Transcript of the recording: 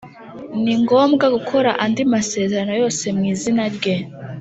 Ni ngombwa gukora andi masezerano yose mu izina rye